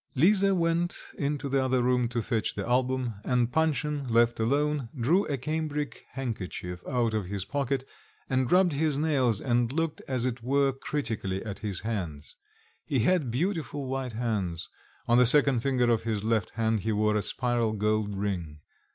Lisa went into the other room to fetch the album, and Panshin, left alone, drew a cambric handkerchief out of his pocket, and rubbed his nails and looked as it were critically at his hands. He had beautiful white hands; on the second finger of his left hand he wore a spiral gold ring.